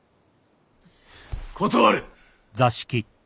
断る！